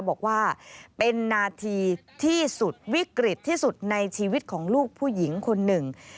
บอกว่าเป็นนาทีที่สุดวิกฤตที่สุดในชีวิตของลูกผู้หญิงคนหนึ่ง